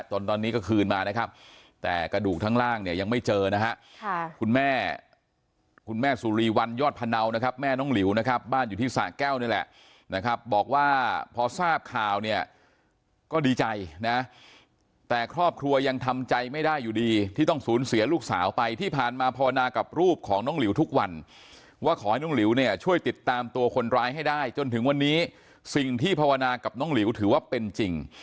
ตอนนี้ก็คืนมานะครับแต่กระดูกทั้งล่างเนี่ยยังไม่เจอนะฮะคุณแม่คุณแม่สุรีวันยอดพนาวนะครับแม่น้องหลิวนะครับบ้านอยู่ที่สแก้วนี่แหละนะครับบอกว่าพอทราบข่าวเนี่ยก็ดีใจนะแต่ครอบครัวยังทำใจไม่ได้อยู่ดีที่ต้องศูนย์เสียลูกสาวไปที่ผ่านมาภาวนากับรูปของน้องหลิวทุกวันว่าขอให้น้องห